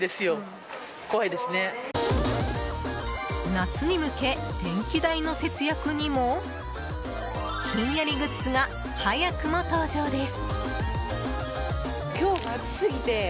夏に向け、電気代の節約にも？ひんやりグッズが早くも登場です。